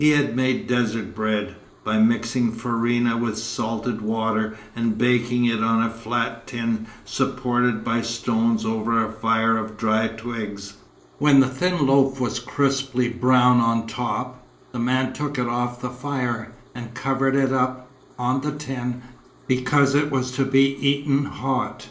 He made desert bread, by mixing farina with salted water, and baking it on a flat tin supported by stones over a fire of dry twigs. When the thin loaf was crisply brown on top, the man took it off the fire, and covered it up, on the tin, because it was to be eaten hot.